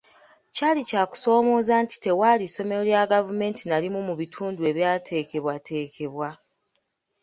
Kyali kya kusomooza nti tewaali ssomero lya gavumenti na limu mu bitundu ebyateekebwateekebwa.